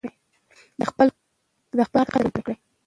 د خپل کار قدر وکړئ.